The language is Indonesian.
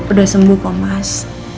udah sembuh kok mas